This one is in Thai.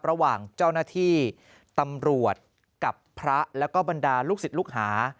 ระหว่างเจ้าหน้าที่ตำรวจกับพระแล้วก็บรรดาลูกศิษย์ลูกหา